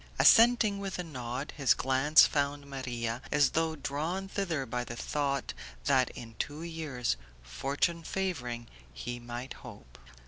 Assenting with a nod, his glance found Maria, as though drawn thither by the thought that in two years, fortune favouring, he might hope.